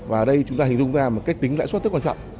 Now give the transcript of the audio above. và ở đây chúng ta hình dung ra một cách tính lãi suất rất quan trọng